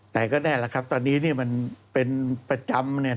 แต่ก็แน่นแล้วครับตอนนี้มันเป็นประจำ